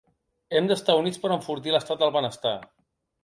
Hem d’estar units per enfortir l’estat del benestar.